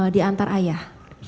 di antar ayah